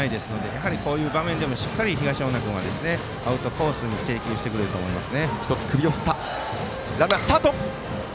やはり、こういう場面でも東恩納君はアウトコースに制球してくると思います。